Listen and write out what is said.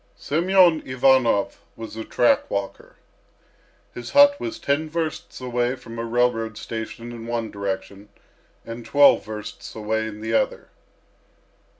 Semyon Ivanov was a track walker. His hut was ten versts away from a railroad station in one direction and twelve versts away in the other.